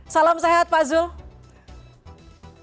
salam sehat pak zulk